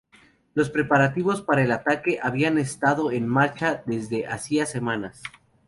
Los preparativos para el ataque habían estado en marcha desde hacia semanas.